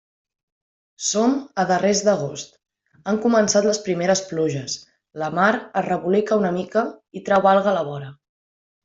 Som a darrers d'agost, han començat les primeres pluges, la mar es rebolica una mica i trau alga a la vora.